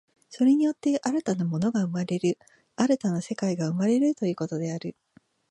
それによって新たな物が生まれる、新たな世界が生まれるということである。